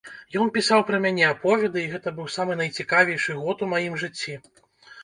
Ён пісаў пра мяне аповеды, і гэта быў самы найцікавейшы год у маім жыцці.